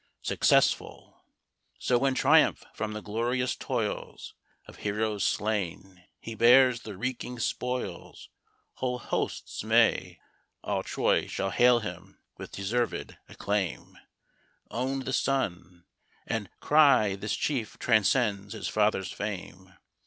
successful So when triumphant from the glorious toils Of heroes slain, he bears the reeking spoils, Whole hosts may All Troy shall hail him, with deserv'd acclaim, own the son And cry, this chief transcends his father's fame.